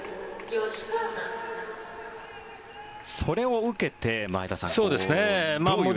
それを受けて前田さんどういう。